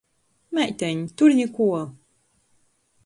Meiteņ, tur nikuo.